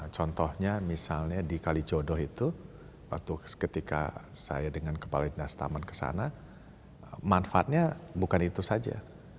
contohnya misalnya di kalijodo itu ketika saya dengan kepala indah staman ke sana manfaatnya bukan itu saja